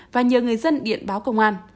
và nhờ người dân điện báo công an